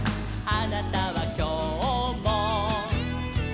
「あなたはきょうも」